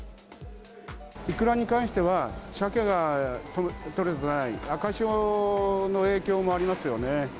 イクラに関しては、サケが取れてない、赤潮の影響もありますよね。